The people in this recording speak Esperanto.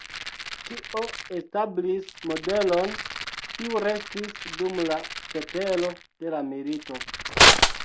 Tio establis modelon, kiu restis dum la cetero de la milito.